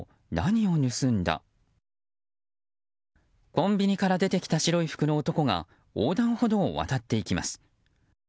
コンビニから出てきた白い服の男が横断歩道を渡っていきます。